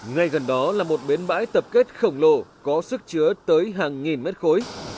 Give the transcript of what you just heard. ngay gần đó là một bến bãi tập kết khổng lồ có sức chứa tới hàng nghìn mét khối